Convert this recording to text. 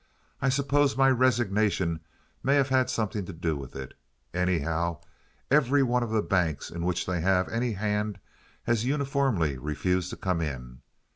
I suppose my resignation may have had something to do with it. Anyhow, every one of the banks in which they have any hand has uniformly refused to come in.